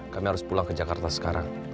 kami harus pulang ke jakarta sekarang